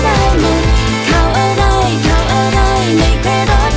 ยังยังยังอย่างงี้ไม่คัดอีก